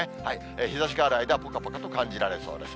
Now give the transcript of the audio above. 日ざしがある間はぽかぽかと感じられそうです。